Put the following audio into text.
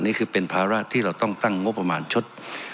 นี่คือเป็นภาระที่เราต้องตั้งงบประมาณชุด